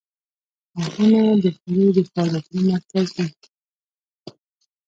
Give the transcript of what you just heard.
• غاښونه د خولې د فعالیتونو مرکز دي.